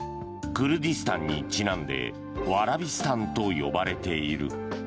クルディスタンにちなんでワラビスタンと呼ばれている。